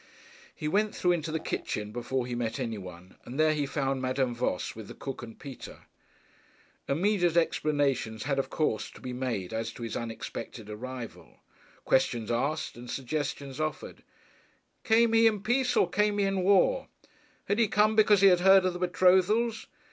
He went through into the kitchen before he met any one, and there he found Madame Voss with the cook and Peter. Immediate explanations had, of course, to be made as to his unexpected arrival; questions asked, and suggestions offered 'Came he in peace, or came he in war?' Had he come because he had heard of the betrothals?